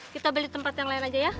kita beli tempat yang lain aja ya